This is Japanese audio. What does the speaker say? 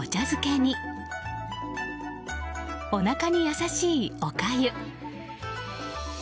漬けにおなかに優しい、おかゆ。